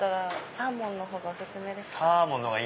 サーモンの方がお薦めです。